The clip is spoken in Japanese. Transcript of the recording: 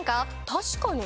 確かに。